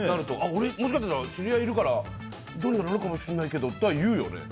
俺、もしかしたら知り合いいるから頼りになるかもって言うよね。